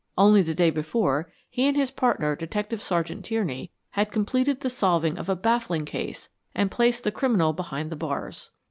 Only the day before, he and his partner, Detective Sergeant Tierney, had completed the solving of a baffling case and placed the criminal behind the bars.